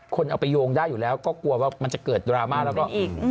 คนเอาไปโยงได้อยู่แล้วก็กลัวว่ามันจะเกิดดราม่าแล้วก็